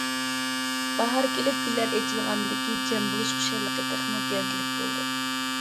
باھار كېلىپ گۈللەر ئېچىلغاندىكى جەم بولۇش خۇشاللىقى تېخىمۇ گەۋدىلىك بولىدۇ.